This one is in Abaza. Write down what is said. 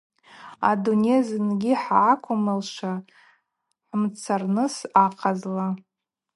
Адуней зынгьи хӏгӏаквмылшва хӏымцарныс ахъазла.